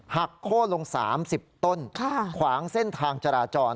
โค้นลง๓๐ต้นขวางเส้นทางจราจร